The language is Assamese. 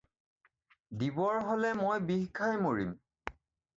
দিবৰ হ'লে মই বিহ খাই মৰিম।